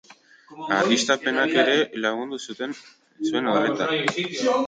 Argiztapenak ere lagundu zuen horretan.